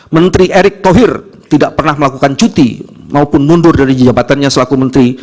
menteri erick thohir tidak pernah melakukan cuti maupun mundur dari jabatannya selaku menteri